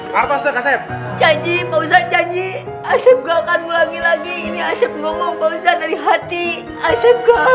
kata kata kak sehat janji janji ajaran lagi lagi ini asep ngomong bahwa dari hati